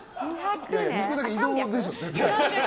肉だけ移動でしょ、絶対。